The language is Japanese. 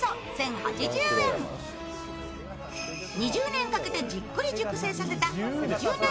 ２０年かけてじっくり熟成させた二十年